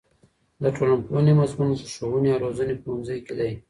د ټولنپوهنې مضمون په ښوونې او روزنې پوهنځي کې دی.